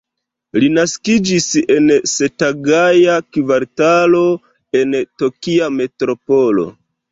Li naskiĝis en Setagaja-kvartalo en Tokia Metropolo.